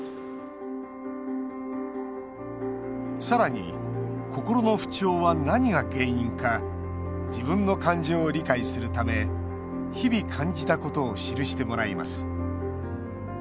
さらに、心の不調は何が原因か自分の感情を理解するため日々感じたことを記してもらいます。